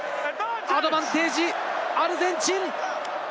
アドバンテージ、アルゼンチン。